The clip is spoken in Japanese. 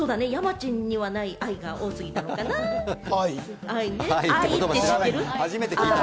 山ちゃんにはない愛が多すぎたのかな？